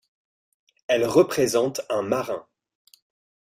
Elle représente un marin.